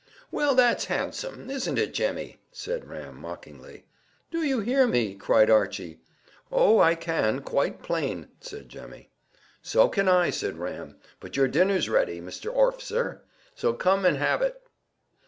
"Well, that's handsome; isn't it, Jemmy?" said Ram mockingly. "Do you hear me?" cried Archy. "Oh, I can, quite plain," said Jemmy. "So can I," said Ram; "but your dinner's ready, Mr Orficer; so come and have it."